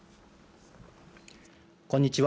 こんにちは。